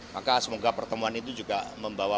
maka semoga pertemuan itu juga membawa